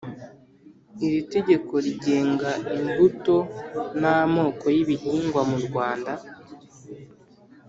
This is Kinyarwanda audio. Iri tegeko rigenga imbuto n’amoko y’ ibihingwa mu Rwanda